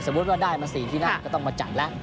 สมมุติว่าได้มา๔ที่หน้าก็ต้องมาจัดแล้ว